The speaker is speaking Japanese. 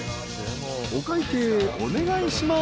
［お会計お願いします］